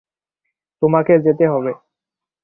তোমাকে যেতে হবে।